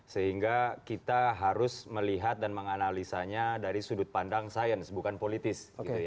sehingga kita harus melihat dan menganalisanya dari sudut pandang sains bukan politis